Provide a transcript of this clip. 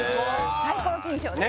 最高金賞です